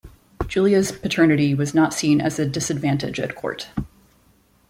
Giulia's paternity was not seen as a disadvantage at court.